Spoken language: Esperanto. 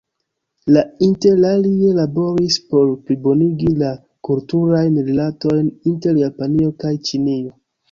Li inter alie laboris por plibonigi la kulturajn rilatojn inter Japanio kaj Ĉinio.